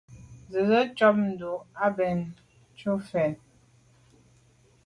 Nzenze tshob ndù à bèn jù fen.